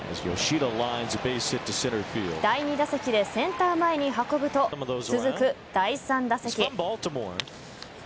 第２打席でセンター前に運ぶと続く第３打席。